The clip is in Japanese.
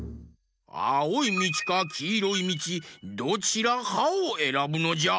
あおいみちかきいろいみちどちらかをえらぶのじゃ。